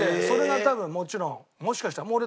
それが多分もちろんもしかしたら。